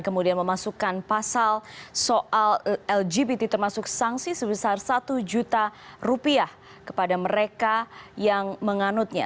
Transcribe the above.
kemudian memasukkan pasal soal lgbt termasuk sanksi sebesar satu juta rupiah kepada mereka yang menganutnya